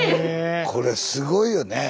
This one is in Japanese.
これすごいよねえ。